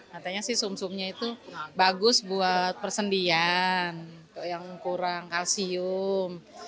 katanya sih sum sumnya itu bagus buat persendian yang kurang kalsium